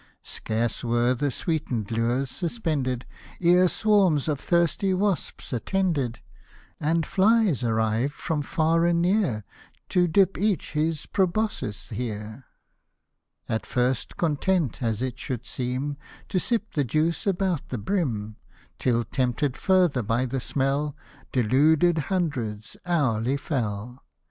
Scarce were the sweeten'd lures suspended, Ere swarms of thirsty wasps attended, And flies arrived from far and near, To dip each his proboscis here ; 123 At first content, as it should seem, To sip the juice about the brim, Till tempted further by the smell, Deluded hundreds hourly fell.